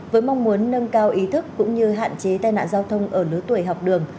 với mong muốn nâng cao ý thức cũng như hạn chế tai nạn giao thông ở lứa tuổi học đường